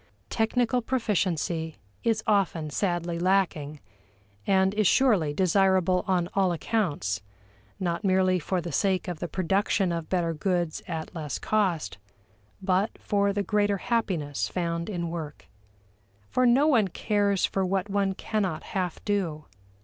Technical proficiency is often sadly lacking, and is surely desirable on all accounts not merely for the sake of the production of better goods at less cost, but for the greater happiness found in work. For no one cares for what one cannot half do.